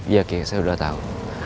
iya ki saya udah tahu